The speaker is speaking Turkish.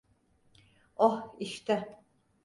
Oh, işte.